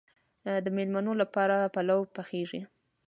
د میلمنو لپاره پلو پخیږي.